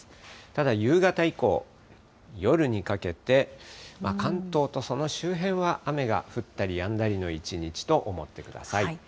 ただ、夕方以降、夜にかけて、関東とその周辺は雨が降ったりやんだりの一日と思ってください。